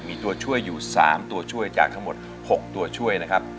มีตัวช่วยอยู่๓ตัวช่วยจากทั้งหมด๖ตัวช่วยนะครับ